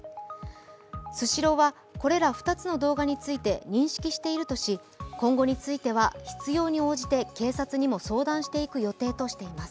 スシローはこれら２つの動画について認識しているとし、今後については必要に応じて警察にも相談していく予定としています。